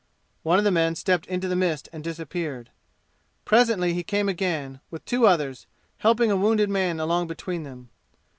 One of the men stepped into the mist and disappeared. Presently he came again, with two others, helping a wounded man along between them.